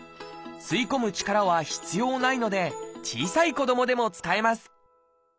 吸い込む力は必要ないので小さい子どもでも使えます